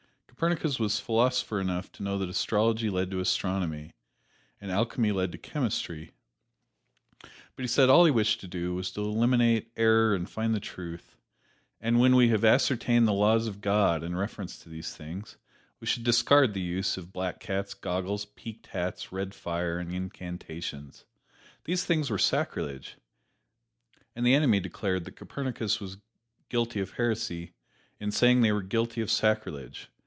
Copernicus was philosopher enough to know that astrology led to astronomy, and alchemy led to chemistry, but he said all he wished to do was to eliminate error and find the truth, and when we have ascertained the laws of God in reference to these things, we should discard the use of black cats, goggles, peaked hats, red fire and incantations these things were sacrilege. And the enemy declared that Copernicus was guilty of heresy in saying they were guilty of sacrilege.